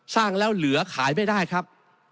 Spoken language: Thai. สร้างแล้วเหลือขายไม่ได้ครับ